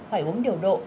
phải uống điều độ